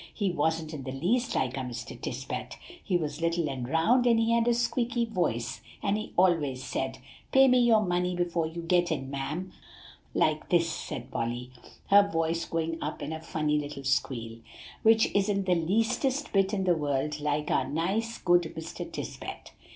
He wasn't in the least like our Mr. Tisbett; he was little and round, and he had a squeaky voice; and he always said, 'Pay me your money before you get in, ma'am,' like this," said Polly, her voice going up in a funny little squeal, "which isn't the leastest bit in the world like our nice, good Mr. Tisbett."